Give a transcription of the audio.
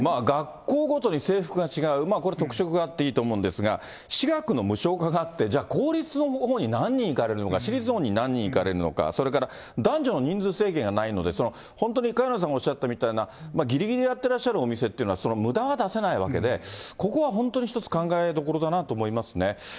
学校ごとに制服が違う、これ特色があっていいと思うんですが、私学の無償化があって、じゃあ公立のほうに何人行かれるのか、私立のほうに何人行かれるのか、それから男女の人数制限がないので、本当に萱野さんがおっしゃったみたいなぎりぎりでやってらっしゃるお店というのは、むだは出せないわけで、ここは本当に一つ考えどころだなと思いますね。